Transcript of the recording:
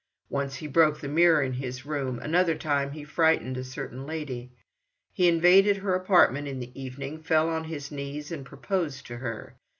Once he broke the mirror in his room; another time he frightened a certain lady. He invaded her apartment in the evening, fell on his knees and proposed to her.